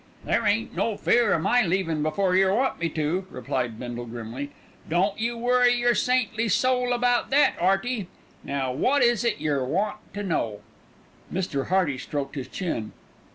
"There ain't no fear o' my leavin' before yer want me to," replied Bindle grimly. "Don't you worry yer saintly soul about that, 'Earty. Now, what is it yer want to know?" Mr. Hearty stroked his chin.